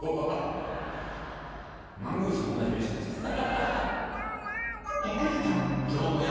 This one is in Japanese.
マングースと同じ目してますから。